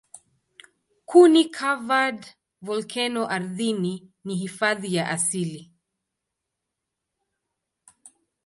Kuni-covered volkeno ardhini ni hifadhi ya asili.